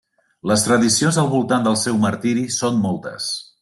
Les tradicions al voltant del seu martiri són moltes.